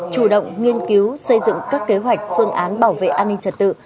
chủ động nghiên cứu xây dựng các kế hoạch phương án bảo vệ an ninh trật tự